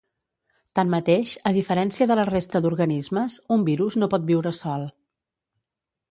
Tanmateix, a diferència de la resta d'organismes, un virus no pot viure sol.